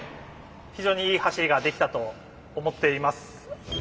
非常にいい走りができたと思っています。